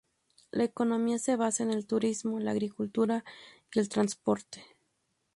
La economía se basa en el turismo, la agricultura y el transporte.